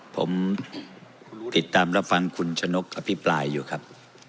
ผมติดตามรับฟังคุณชะนกอภิปรายอยู่ครับ